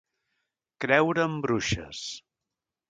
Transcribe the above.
Creure en bruixes.